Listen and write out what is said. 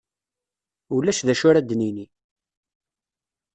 Ulac d acu ara d-nini.